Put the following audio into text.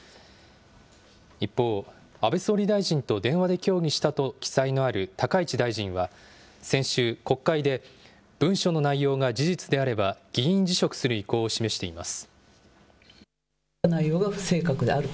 一方、安倍総理大臣と電話で協議したと記載のある高市大臣は、先週、国会で、文書の内容が事実であれば、議員辞職する意向を示しています。